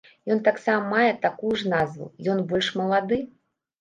Ён таксама мае такую ж назву, ён больш малады.